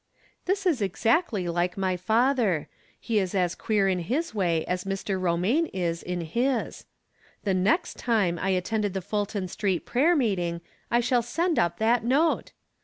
This is exactly like my father. He is as queer in his way as Mr. Romaine is in his. The next time I attend the Fulton Street prayer meeting I shall send up that note